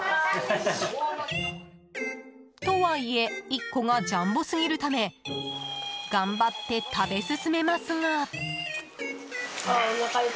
とはいえ１個がジャンボすぎるため頑張って食べ進めますが。